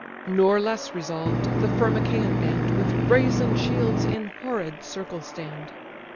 Nor less resolved, the firm Achaian band With brazen shields in horrid circle stand.